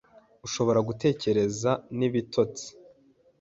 ashobora gutekereza ni ibitotsi.